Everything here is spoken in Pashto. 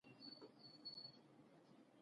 غږ مې وکړ خو نه یې اږري